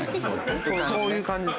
こういう感じですよね。